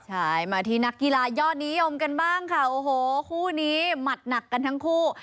ใช่มาที่นักกีฬายอดนิยมกันบ้างค่ะโอ้โหคู่นี้หมัดหนักกันทั้งคู่